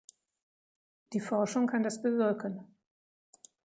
Die Forschung kann das bewirken.